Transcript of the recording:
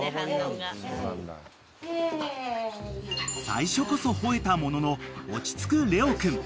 ［最初こそ吠えたものの落ち着くレオ君］